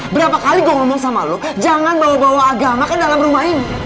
berapa kali gua ngomong sama lu jangan bawa bawa agama ke dalam rumah ini